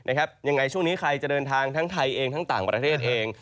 ยังไงช่วงนี้ใครจะเดินทางทั้งไทยเองทั้งต่างประเทศเอง